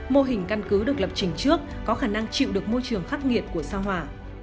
mô hình căn cứ được lập trình trước có khả năng chịu được môi trường khắc nghiệt của sao hỏa